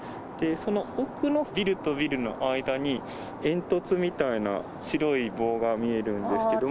その奥のビルとビルの間に、煙突みたいな白い棒が見えるんですけども。